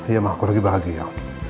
iya mah aku lagi bahagia